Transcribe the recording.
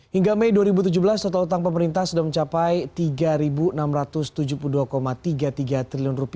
hingga mei dua ribu tujuh belas total utang pemerintah sudah mencapai rp tiga enam ratus tujuh puluh dua tiga puluh tiga triliun